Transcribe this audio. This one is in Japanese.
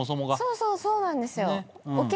そうそうそうなんですよ。